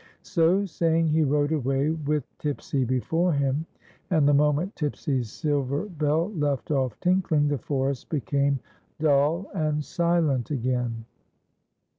So saying he rode away, with Tipsy before him ; and the moment Tipsy 's silver bell left off tinkling, the forest became dull and silent again.